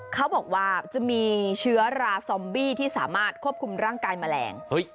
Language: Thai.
เขาบอกว่าจะมีเชื้อราซอมบี้ที่สามารถควบคุมร่างกายแมลง